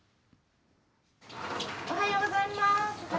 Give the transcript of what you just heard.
おはようございます。